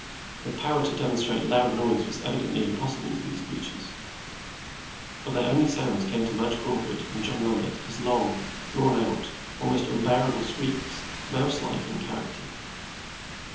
The power to demonstrate loud noise was evidently impossible to the creatures, for their only sounds came to Madge Crawford and John Lambert as long drawn out, almost unbearable squeaks, mouse like in character.